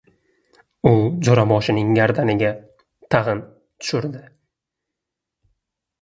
— U jo‘raboshining gardaniga tag‘in tushirdi.